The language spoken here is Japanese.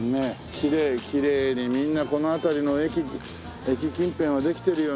きれいきれいにみんなこの辺りの駅駅近辺はできてるよね。